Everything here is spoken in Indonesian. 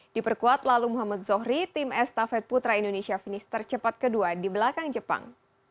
diperkuat lalu muhammad zohri tim estafet putra indonesia finish tercepat kedua di belakang jepang